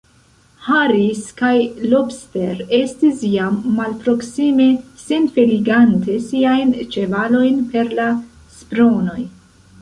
Harris kaj Lobster estis jam malproksime, senfeligante siajn ĉevalojn per la spronoj.